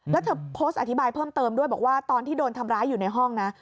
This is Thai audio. แล้วเธอโพสต์อธิบายเพิ่มเติมด้วยบอกว่าตอนที่โดนทำร้ายอยู่ในห้องนะ